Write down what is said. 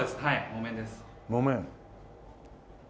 木綿。